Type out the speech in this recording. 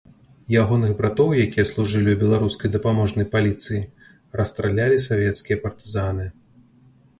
Ягоных братоў, якія служылі ў беларускай дапаможнай паліцыі, расстралялі савецкія партызаны.